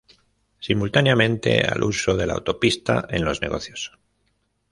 Simultáneamente, al uso de la autopista en los negocios.